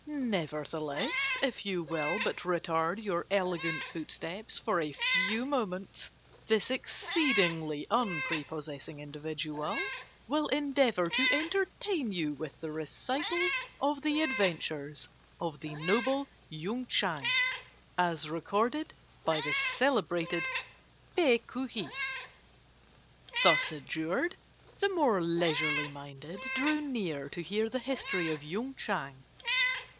Nevertheless, if you will but retard your elegant footsteps for a few moments, this exceedingly unprepossessing individual will endeavour to entertain you with the recital of the adventures of the noble Yung Chang, as recorded by the celebrated Pe ku hi." Thus adjured, the more leisurely minded drew near to hear the history of Yung Chang.